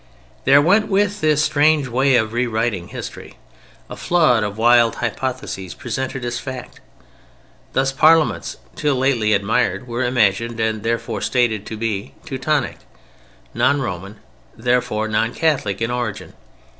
There went with this strange way of rewriting history a flood of wild hypotheses presented as fact. Thus Parliaments (till lately admired) were imagined—and therefore stated—to be Teutonic, non Roman, therefore non Catholic in origin.